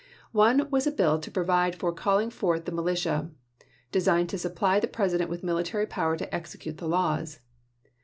One was a bill to provide for calling forth the militia, designed to supply the President with military power to execute the laws.